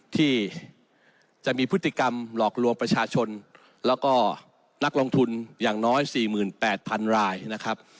ที่จะมีพฤติกรรมหลอกลวงประชาชนแล้วก็นักลงทุนอย่างน้อย๔๘๐๐๐รายนะครับ